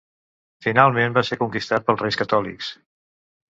Finalment va ser conquistat pels Reis Catòlics.